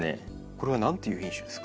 これは何ていう品種ですか？